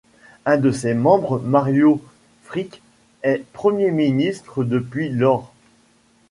Un de ses membres, Mario Frick est Premier ministre depuis lors.